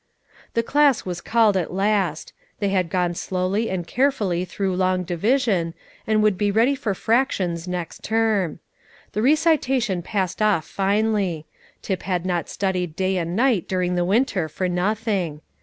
The class was called at last. They had gone slowly and carefully through long division, and would be ready for fractions next term. The recitation passed off finely. Tip had not studied day and night during the winter for nothing.